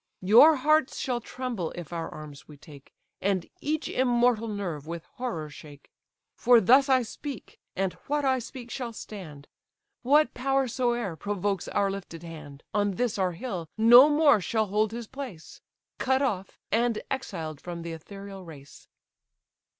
Your hearts shall tremble, if our arms we take, And each immortal nerve with horror shake. For thus I speak, and what I speak shall stand; What power soe'er provokes our lifted hand, On this our hill no more shall hold his place; Cut off, and exiled from the ethereal race."